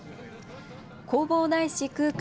弘法大師空海